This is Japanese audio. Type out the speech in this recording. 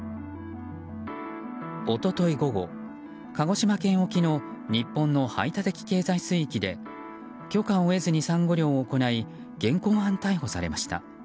一昨日午後、鹿児島県沖の日本の排他的経済水域で許可を得ずにサンゴ漁を行い現行犯逮捕されました。